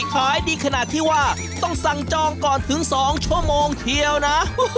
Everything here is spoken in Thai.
ขายดีขนาดที่ว่าต้องสั่งจองก่อนถึง๒ชั่วโมงเทียวนะ